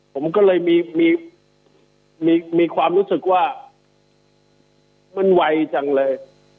ผมก็เลยมีความรู้สึกว่ามันไวจังเลย